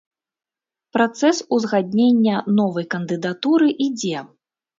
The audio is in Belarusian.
Працэс узгаднення новай кандыдатуры ідзе.